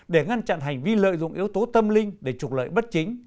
để ngăn chặn hành vi lợi dụng yếu tố tâm linh để trục lợi bất chính